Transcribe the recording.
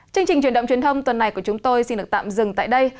chương trình truyền động truyền thông tuần này của chúng tôi xin được tạm dừng tại đây